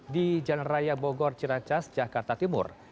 di janraya bogor ciracas jakarta timur